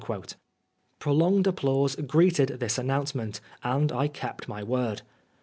I^olonged applause greeted this annonnoement^ and I kept my word.